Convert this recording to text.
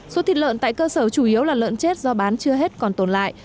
số thịt lợn tại cơ sở chủ yếu là lợn chết do bán chưa hết còn tồn lại